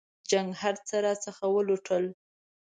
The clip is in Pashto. جنګ هرڅه راڅخه ولوټل.